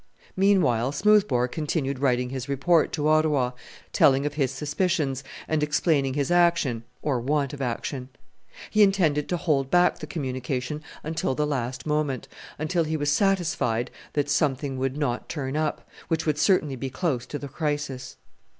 Meanwhile, Smoothbore continued writing his report to Ottawa, telling of his suspicions, and explaining his action, or want of action. He intended to hold back the communication until the last moment until he was satisfied that "something would not turn up," which would certainly be close to the crisis.